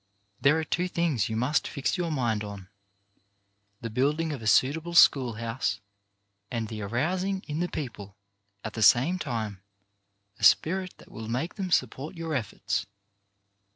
There are two things you must fix your mind on • the building of a suitable school house and the arousing in the people, at the same time, a spirit that will make them support your efforts.